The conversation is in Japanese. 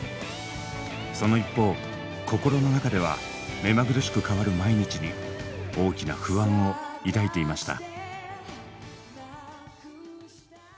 その一方心の中では目まぐるしく変わる毎日に大きな不安を抱いていました。